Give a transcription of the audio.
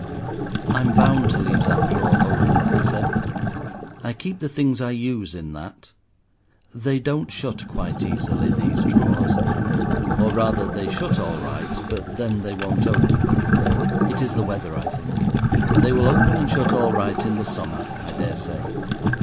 "I'm bound to leave that drawer open," he said; "I keep the things I use in that. They don't shut quite easily, these drawers; or rather, they shut all right, but then they won't open. It is the weather, I think. They will open and shut all right in the summer, I dare say."